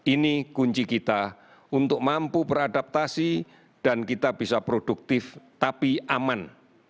ini kunci kita untuk mampu beradaptasi dan kita bisa produktif tapi aman